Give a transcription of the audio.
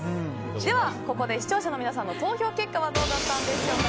ではここで視聴者の皆さんの投票結果はどうだったんでしょうか。